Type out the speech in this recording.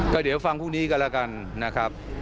ก็เดี๋ยวฟังพรุ่งนี้กันแล้วกันนะครับ